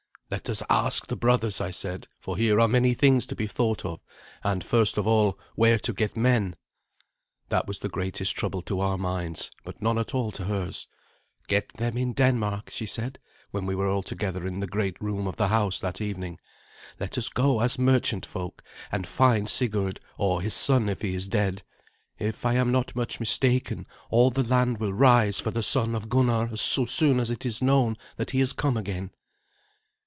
"Let us ask the brothers," I said, "for here are many things to be thought of; and, first of all, where to get men." That was the greatest trouble to our minds, but none at all to hers. "Get them in Denmark," she said, when we were all together in the great room of the house that evening. "Let us go as merchant folk, and find Sigurd, or his son if he is dead. If I am not much mistaken, all the land will rise for the son of Gunnar so soon as it is known that he has come again."